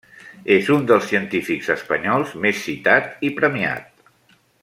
És un dels científics espanyols més citat i premiat.